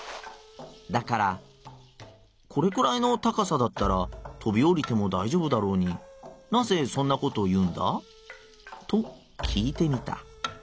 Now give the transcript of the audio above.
だから『これくらいの高さだったら飛びおりてもだいじょうぶだろうになぜそんなことを言うんだ？』と聞いてみた。